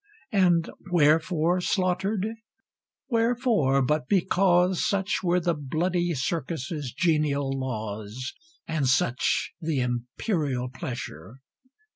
And wherefore slaughtered? wherefore, but because Such were the bloody Circus's genial laws, And such the imperial pleasure.